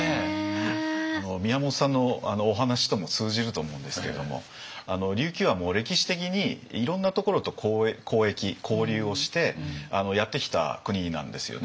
宮本さんのお話とも通じると思うんですけれども琉球は歴史的にいろんなところと交易交流をしてやってきた国なんですよね。